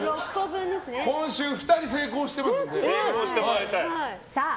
今週２人成功してますね。